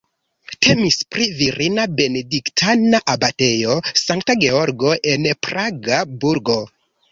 Temis pri virina benediktana abatejo Sankta Georgo en Praga burgo.